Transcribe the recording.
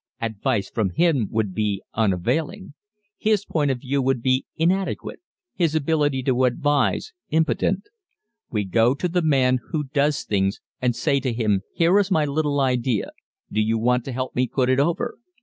Advice from him would be unavailing. His point of view would be inadequate his ability to advise, impotent. We go to the man who does things and say to him: "Here is my little idea do you want to help me put it over?"